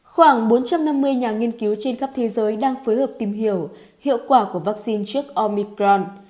khoảng bốn trăm năm mươi nhà nghiên cứu trên khắp thế giới đang phối hợp tìm hiểu hiệu quả của vaccine trước omicron